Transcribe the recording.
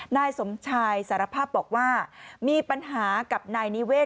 นายสมชายสารภาพบอกว่ามีปัญหากับนายนิเวศ